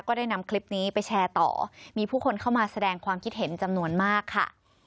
ได้นำคลิปนี้ไปแชร์ต่อมีผู้คนเข้ามาแสดงความคิดเห็นจำนวนมากค่ะ